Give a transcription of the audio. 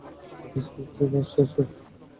আজকাল কোনো কাজ-টাজ নাই।